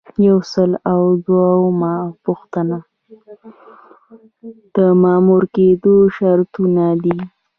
یو سل او دوهمه پوښتنه د مامور کیدو شرطونه دي.